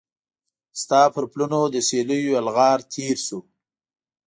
ستا پر پلونو د سیلېو یلغار تیر شو